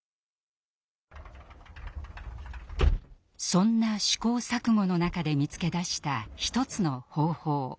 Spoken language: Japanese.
そんな試行錯誤の中で見つけ出したひとつの方法。